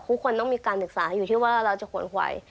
ทุกคนต้องมีการศึกษาอยู่ที่ว่าเราจะขนไขว